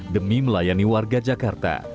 demi melayani warga jakarta